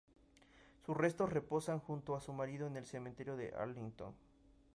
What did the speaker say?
Sus restos reposan junto a su marido en el Cementerio de Arlington.